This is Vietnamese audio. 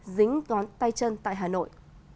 dính ngón tay chân tại hà nội